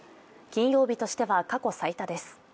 金曜日としては過去最多です。